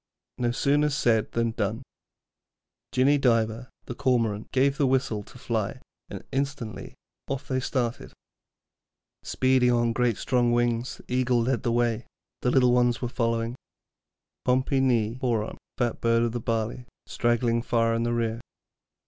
No sooner said than done. Jinny Diver, the Cormorant, gave the whistle to fly, and instantly off they started. Speeding on great strong wings, the eagle led the way, the little ones following, Pompee ny Hoarn, Fat bird of the barley, straggling far in the rear.